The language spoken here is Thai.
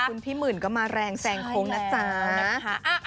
คุณพี่หมื่นก็มาแรงแสงโค้งนะจ๊ะ